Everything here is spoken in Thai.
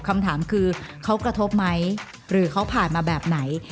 คำถามคือเขากระทบไหมหรือเขาผ่านมาแบบไหน